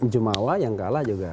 jumawa yang kalah juga